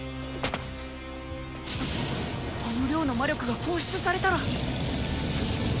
あの量の魔力が放出されたら！